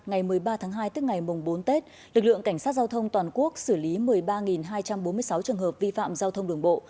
ngày một mươi ba tháng hai tức ngày mùng bốn tết lực lượng cảnh sát giao thông toàn quốc xử lý một mươi ba hai trăm bốn mươi sáu trường hợp vi phạm giao thông đường bộ